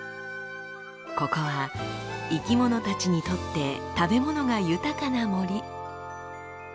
ここは生きものたちにとって食べ物が豊かな森。